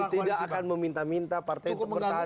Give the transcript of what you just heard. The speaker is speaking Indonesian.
tidak akan meminta minta partai untuk bertahan